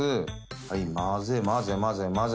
はい混ぜ混ぜ混ぜ混ぜ。